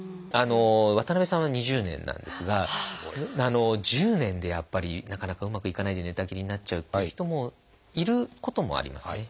渡辺さんは２０年なんですが１０年でやっぱりなかなかうまくいかないで寝たきりになっちゃうっていう人もいることもありますね。